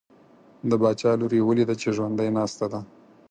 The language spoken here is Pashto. د باچا لور یې ولیده چې ژوندی ناسته ده.